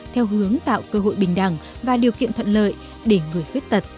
theo hướng tạo cơ hội bình đẳng và điều kiện thuận lợi để người khuyết tật